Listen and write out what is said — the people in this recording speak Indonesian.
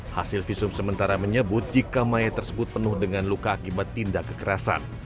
hasil visum sementara menyebut jika mayat tersebut penuh dengan luka akibat tindak kekerasan